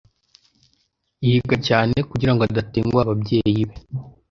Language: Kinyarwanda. Yiga cyane kugirango adatenguha ababyeyi be.